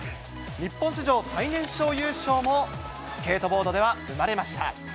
日本史上最年少優勝も、スケートボードでは生まれました。